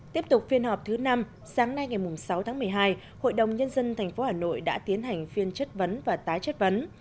tiếp tục phiên họp thứ năm sáng nay ngày sáu tháng một mươi hai hội đồng nhân dân tp hà nội đã tiến hành phiên chất vấn và tái chất vấn